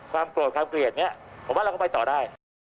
โกรธความเกลียดเนี่ยผมว่าเราก็ไปต่อได้